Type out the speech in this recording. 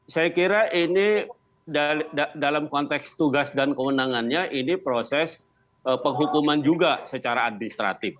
saya kira ini dalam konteks tugas dan kewenangannya ini proses penghukuman juga secara administratif